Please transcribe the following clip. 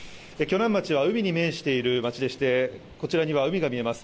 鋸南町は海に面している町でこちらには海が見えます。